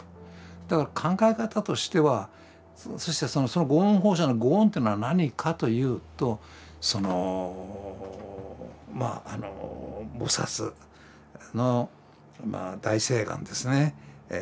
だから考え方としてはそしてその御恩報謝の御恩というのは何かというと菩薩の大誓願ですね。